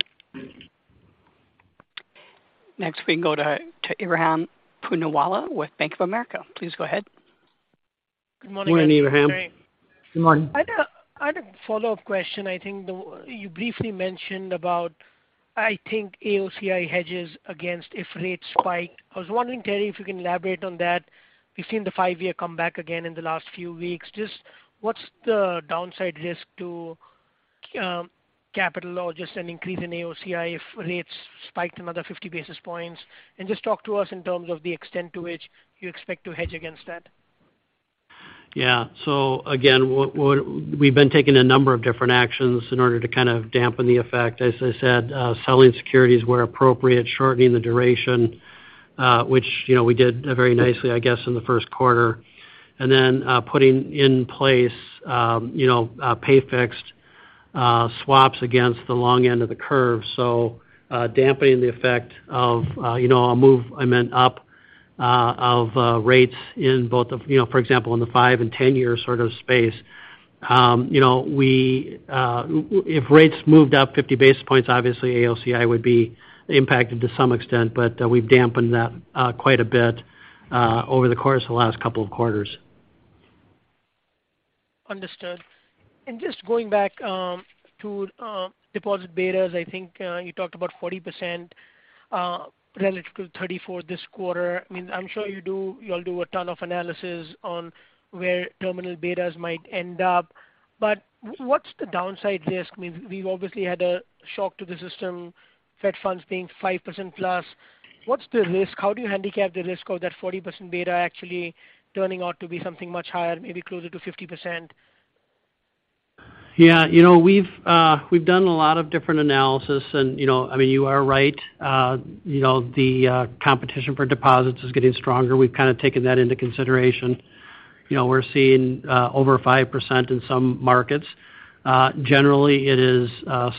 Next, we can go to Ebrahim Poonawala with Bank of America. Please go ahead.
Good morning, Ebrahim.
Good morning.
Good morning. I had a follow-up question. I think you briefly mentioned about AOCI hedges against if rates spike. I was wondering, Terry, if you can elaborate on that. We've seen the five-year come back again in the last few weeks. Just what's the downside risk to capital or just an increase in AOCI if rates spiked another 50 basis points? Just talk to us in terms of the extent to which you expect to hedge against that.
Again, we've been taking a number of different actions in order to kind of dampen the effect. As I said, selling securities where appropriate, shortening the duration, which, you know, we did very nicely, I guess, in the first quarter. Putting in place, you know, pay fixed swaps against the long end of the curve. Dampening the effect of, you know, a move, I meant up, of rates in both of, you know, for example, in the five and 10-year sort of space. You know, we, if rates moved up 50 basis points, obviously AOCI would be impacted to some extent, but we've dampened that quite a bit over the course of the last couple of quarters.
Understood. Just going back, to, deposit betas, I think, you talked about 40%, relative to 34 this quarter. I mean, I'm sure you all do a ton of analysis on where terminal betas might end up. What's the downside risk? I mean, we've obviously had a shock to the system, Fed funds being 5%+. What's the risk? How do you handicap the risk of that 40% beta actually turning out to be something much higher, maybe closer to 50%?
Yeah. You know, we've done a lot of different analysis and, you know, I mean, you are right. You know, the competition for deposits is getting stronger. We've kind of taken that into consideration. You know, we're seeing over 5% in some markets. Generally, it is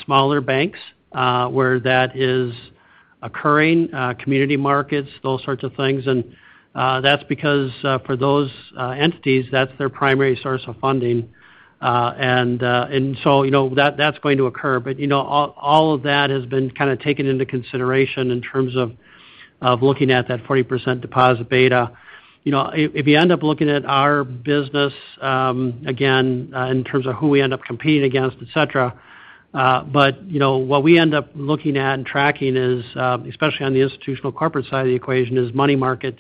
smaller banks where that is occurring, community markets, those sorts of things. That's because for those entities, that's their primary source of funding. You know, that's going to occur. You know, all of that has been kinda taken into consideration in terms of looking at that 40% deposit beta. You know, if you end up looking at our business, again, in terms of who we end up competing against, et cetera. You know, what we end up looking at and tracking is, especially on the institutional corporate side of the equation, is money market,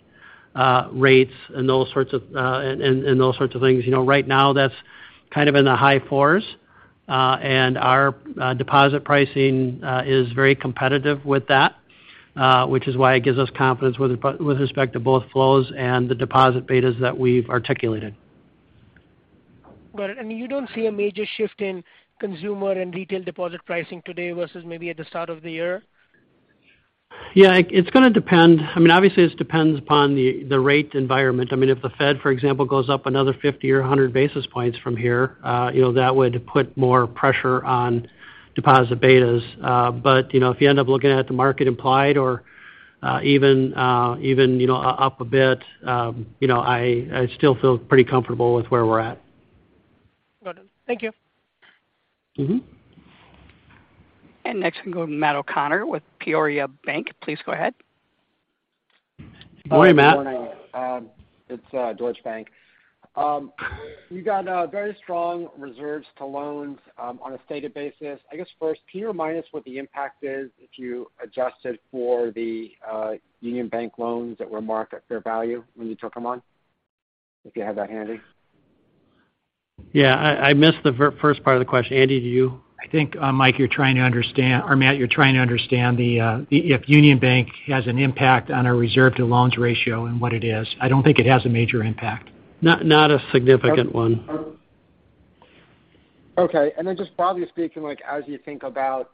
rates and those sorts of things. You know, right now that's kind of in the high fours. Our, deposit pricing, is very competitive with that, which is why it gives us confidence with respect to both flows and the deposit betas that we've articulated.
Got it. You don't see a major shift in consumer and retail deposit pricing today versus maybe at the start of the year?
Yeah, it's gonna depend. I mean, obviously it depends upon the rate environment. I mean, if the Fed, for example, goes up another 50 or 100 basis points from here, you know, that would put more pressure on deposit betas. You know, if you end up looking at the market implied or even, you know, up a bit, you know, I still feel pretty comfortable with where we're at.
Got it. Thank you.
Mm-hmm.
Next we go to Matt O'Connor with Deutsche Bank. Please go ahead.
Good morning, Matt.
Good morning. It's Deutsche Bank. You got very strong reserves to loans on a stated basis. I guess first, can you remind us what the impact is if you adjusted for the Union Bank loans that were marked at fair value when you took them on? If you have that handy.
Yeah. I missed the first part of the question. Andy, do you?
I think, or Matt, you're trying to understand the, if Union Bank has an impact on our reserve to loans ratio and what it is. I don't think it has a major impact.
Not a significant one.
Okay. Then just broadly speaking, like, as you think about,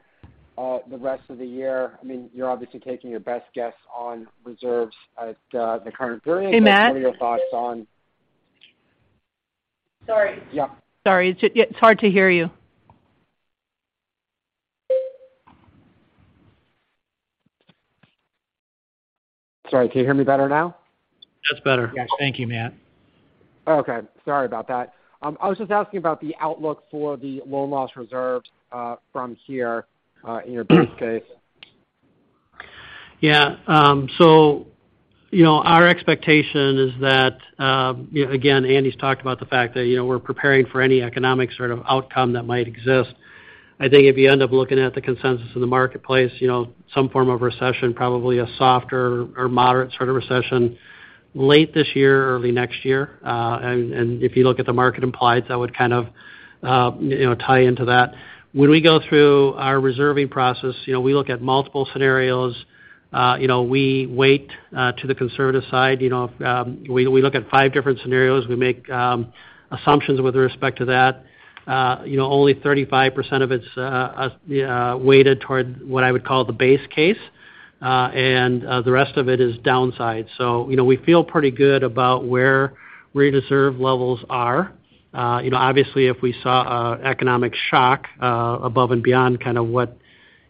the rest of the year, I mean, you're obviously taking your best guess on reserves at, the current period.
Hey, Matt.
What are your thoughts on...
Sorry.
Yeah.
Sorry, it's hard to hear you.
Sorry, can you hear me better now?
That's better.
Yes. Thank you, Matt.
Okay. Sorry about that. I was just asking about the outlook for the loan loss reserves, from here, in your base case.
Yeah. You know, our expectation is that, you know, again, Andy's talked about the fact that, you know, we're preparing for any economic sort of outcome that might exist. I think if you end up looking at the consensus in the marketplace, you know, some form of recession, probably a softer or moderate sort of recession late this year or early next year. If you look at the market implieds, that would kind of, you know, tie into that. When we go through our reserving process, you know, we look at multiple scenarios. You know, we weight, to the conservative side, you know. We look at five different scenarios. We make, assumptions with respect to that. You know, only 35% of it's, weighted toward what I would call the base case. The rest of it is downside. You know, we feel pretty good about where reserve levels are. You know, obviously, if we saw a economic shock, above and beyond kind of what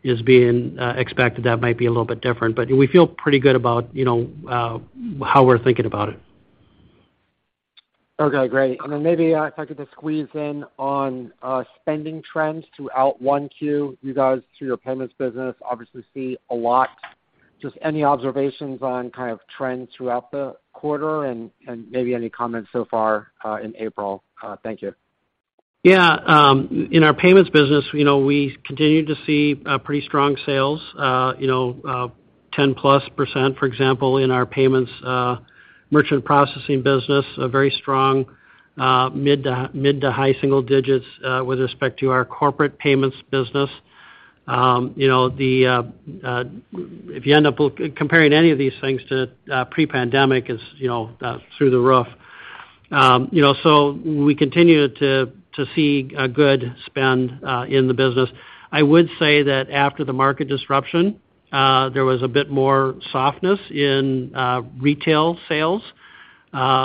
is being expected, that might be a little bit different. We feel pretty good about, you know, how we're thinking about it.
Okay, great. Then maybe, if I could just squeeze in on spending trends throughout 1Q. You guys, through your payments business, obviously see a lot. Just any observations on kind of trends throughout the quarter and maybe any comments so far, in April? Thank you.
Yeah. In our payments business, you know, we continue to see pretty strong sales. 10%+, for example, in our payments merchant processing business. A very strong mid to high single digits with respect to our corporate payments business. If you end up comparing any of these things to pre-pandemic is, you know, through the roof. We continue to see a good spend in the business. I would say that after the market disruption, there was a bit more softness in retail sales,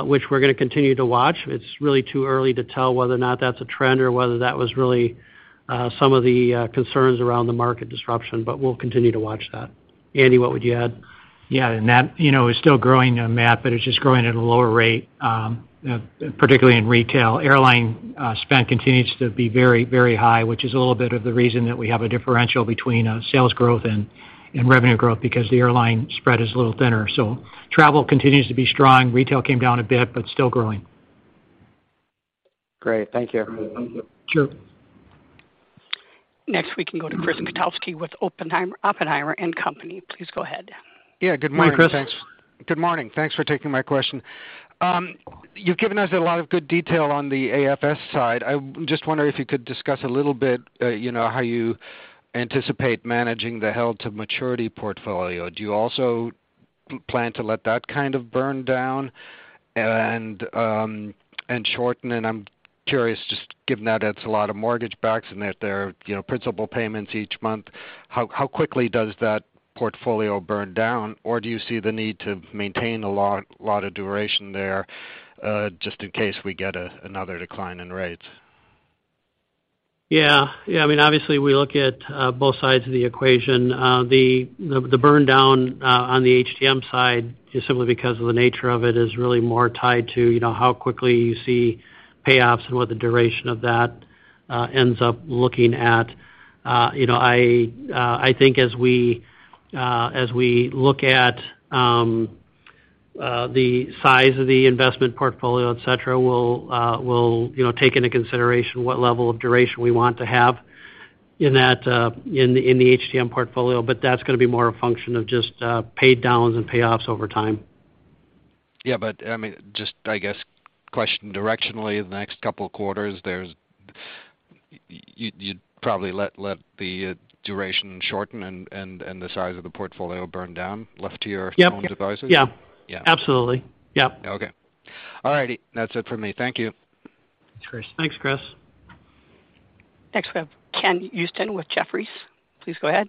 which we're gonna continue to watch. It's really too early to tell whether or not that's a trend or whether that was really, some of the concerns around the market disruption, but we'll continue to watch that. Andy, what would you add?
Yeah. That, you know, is still growing, Matt, but it's just growing at a lower rate, particularly in retail. Airline spend continues to be very, very high, which is a little bit of the reason that we have a differential between sales growth and revenue growth because the airline spread is a little thinner. Travel continues to be strong. Retail came down a bit, but still growing.
Great. Thank you.
Sure.
Next we can go to Chris Kotowski with Oppenheimer & Co. Please go ahead.
Good morning, thanks.
Good morning, Chris.
Good morning. Thanks for taking my question. You've given us a lot of good detail on the AFS side. I just wonder if you could discuss a little bit, you know, how you anticipate managing the held to maturity portfolio. Do you also plan to let that kind of burn down and shorten? I'm curious, just given that it's a lot of mortgage backs and that there are, you know, principal payments each month, how quickly does that portfolio burn down? Do you see the need to maintain a lot of duration there, just in case we get another decline in rates?
Yeah. I mean, obviously we look at both sides of the equation. The burn down on the HTM side is simply because of the nature of it is really more tied to, you know, how quickly you see payoffs and what the duration of that ends up looking at. You know, I think as we look at the size of the investment portfolio, et cetera, we'll, you know, take into consideration what level of duration we want to have in that in the HTM portfolio. That's gonna be more a function of just pay downs and payoffs over time.
Yeah, I mean, just I guess question directionally, the next couple of quarters there's? You'd probably let the duration shorten and the size of the portfolio burn down left to your.
Yep.
Own devices?
Yeah.
Yeah.
Absolutely. Yep.
Okay. All righty, that's it for me. Thank you.
Thanks, Chris.
Next, we have Ken Usdin with Jefferies. Please go ahead.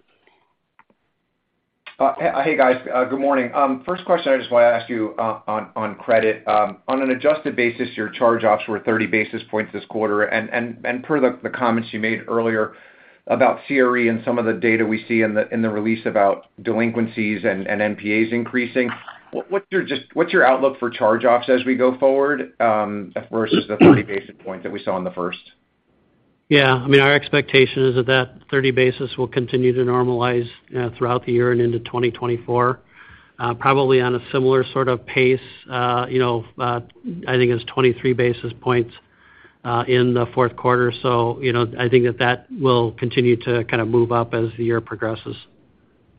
Hey, guys, good morning. First question I just want to ask you on credit. On an adjusted basis, your charge offs were 30 basis points this quarter. Per the comments you made earlier about CRE and some of the data we see in the release about delinquencies and NPAs increasing, what's your outlook for charge offs as we go forward versus the 30 basis points that we saw in the first?
Yeah, I mean, our expectation is that that 30 basis will continue to normalize throughout the year and into 2024, probably on a similar sort of pace. You know, I think it's 23 basis points in the fourth quarter. You know, I think that that will continue to kind of move up as the year progresses.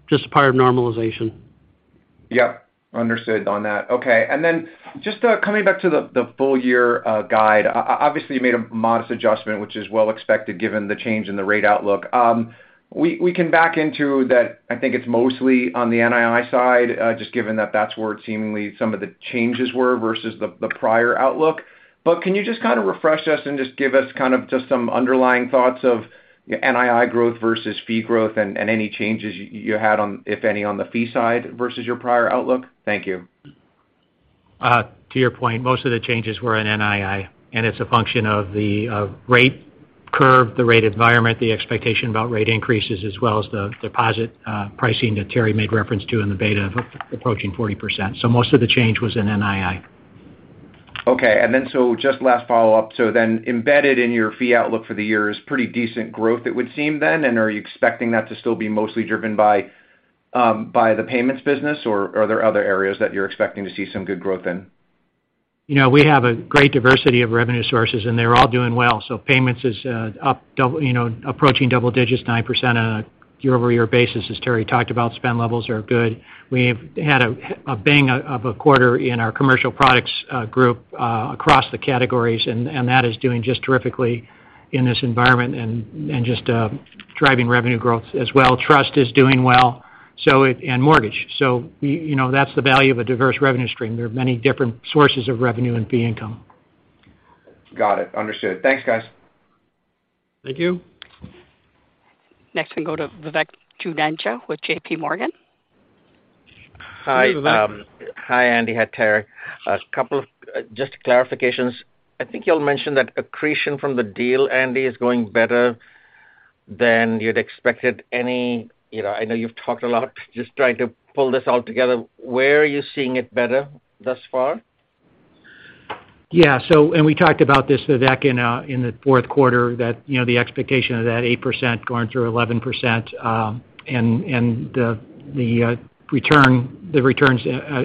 Just part of normalization.
Yep, understood on that. Okay. Just coming back to the full year guide, obviously you made a modest adjustment, which is well expected given the change in the rate outlook. We, we can back into that, I think it's mostly on the NII side, just given that that's where seemingly some of the changes were versus the prior outlook. Can you just kind of refresh us and just give us kind of just some underlying thoughts of NII growth versus fee growth and any changes you had on, if any, on the fee side versus your prior outlook? Thank you.
To your point, most of the changes were in NII. It's a function of the rate curve, the rate environment, the expectation about rate increases, as well as the deposit pricing that Terry made reference to in the beta of approaching 40%. Most of the change was in NII.
Okay. Just last follow-up. Embedded in your fee outlook for the year is pretty decent growth, it would seem then? Are you expecting that to still be mostly driven by the payments business, or are there other areas that you're expecting to see some good growth in?
You know, we have a great diversity of revenue sources, and they're all doing well. Payments is up double, you know, approaching double digits, 9% on a year-over-year basis, as Terry talked about. Spend levels are good. We've had a bang of a quarter in our commercial products group across the categories, and that is doing just terrifically in this environment and just driving revenue growth as well. Trust is doing well, so is and mortgage. We, you know, that's the value of a diverse revenue stream. There are many different sources of revenue and fee income.
Got it. Understood. Thanks, guys.
Thank you.
Next we go to Vivek Juneja with J.P. Morgan.
Hi, Vivek.
Hi, Andy. Hi, Terry. A couple of just clarifications. I think you all mentioned that accretion from the deal, Andy, is going better than you'd expected any, you know, I know you've talked a lot, just trying to pull this all together. Where are you seeing it better thus far?
Yeah. We talked about this, Vivek, in the fourth quarter that, you know, the expectation of that 8% going through 11%, and the return's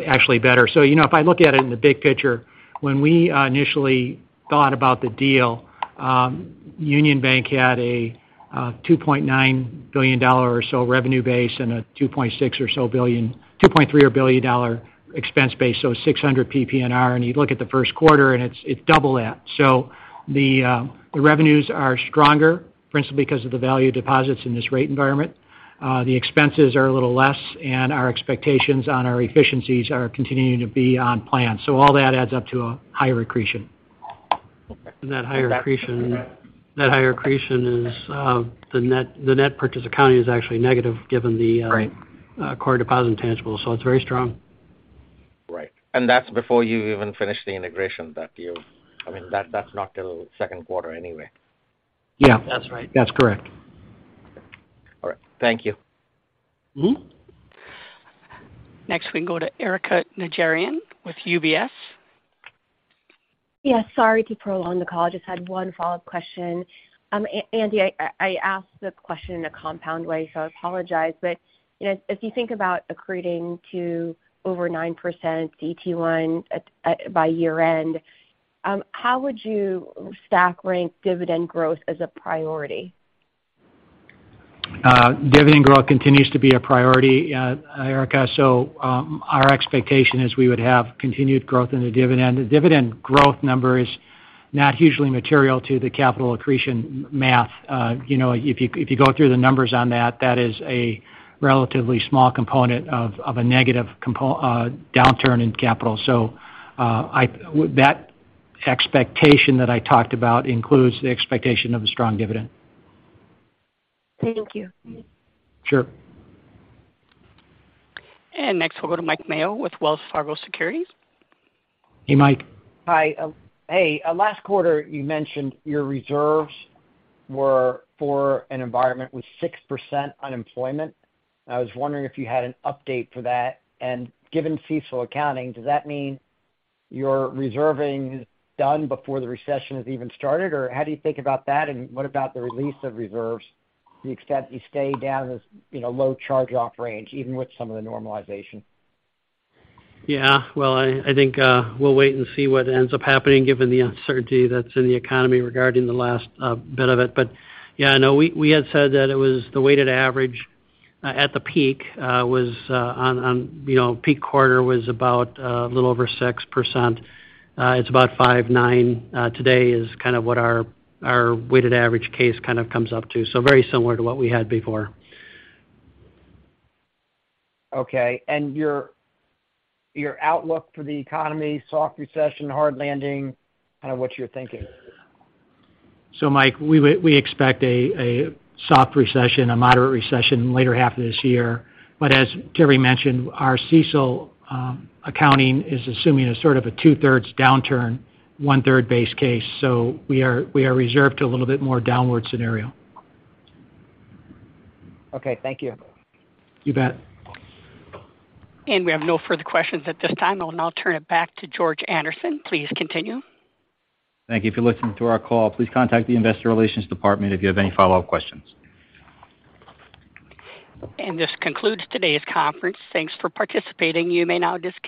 actually better. You know, if I look at it in the big picture, when we initially thought about the deal, Union Bank had a $2.9 billion or so revenue base and a $2.3 billion dollar expense base, so $600 PPNR. You look at the first quarter, it's double that. The revenues are stronger, principally because of the value deposits in this rate environment. The expenses are a little less, and our expectations on our efficiencies are continuing to be on plan. All that adds up to a higher accretion. That higher accretion is the net purchase accounting is actually negative given the.
Right.
Core deposit intangible. It's very strong.
Right. That's before you even finish the integration that you. I mean, that's not till second quarter anyway.
Yeah.
That's right.
That's correct.
All right. Thank you.
Mm-hmm.
We can go to Erika Najarian with UBS.
Yes, sorry to prolong the call. Just had one follow-up question. Andy, I asked the question in a compound way, so I apologize. You know, if you think about accreting to over 9% CET1 at by year end How would you stack rank dividend growth as a priority?
Dividend growth continues to be a priority, Erika. Our expectation is we would have continued growth in the dividend. The dividend growth number is not hugely material to the capital accretion math. You know, if you, if you go through the numbers on that is a relatively small component of a negative downturn in capital. That expectation that I talked about includes the expectation of a strong dividend.
Thank you.
Sure.
Next we'll go to Mike Mayo with Wells Fargo Securities.
Hey, Mike.
Hi. Hey, last quarter, you mentioned your reserves were for an environment with 6% unemployment. I was wondering if you had an update for that? Given CECL accounting, does that mean your reserving is done before the recession has even started? How do you think about that, and what about the release of reserves to the extent you stay down this, you know, low charge-off range, even with some of the normalization?
Yeah. Well, I think, we'll wait and see what ends up happening given the uncertainty that's in the economy regarding the last bit of it. Yeah, no, we had said that it was the weighted average at the peak was, you know, peak quarter was about a little over 6%. It's about 5.9% today is kind of what our weighted average case kind of comes up to. Very similar to what we had before.
Okay. Your outlook for the economy, soft recession, hard landing, kind of what you're thinking?
Mike, we expect a soft recession, a moderate recession later half of this year. As Terry mentioned, our CECL accounting is assuming a sort of a two-thirds downturn, one-third base case. We are reserved to a little bit more downward scenario.
Okay, thank you.
You bet.
We have no further questions at this time. I will now turn it back to George Andersen. Please continue.
Thank you for listening to our call. Please contact the investor relations department if you have any follow-up questions.
This concludes today's conference. Thanks for participating. You may now disconnect.